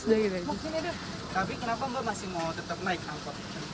tapi kenapa mbak masih mau tetap naik angkot